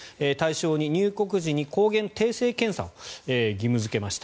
入国時の抗原定性検査を義務付けました。